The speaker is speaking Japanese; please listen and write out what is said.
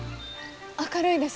明るいです。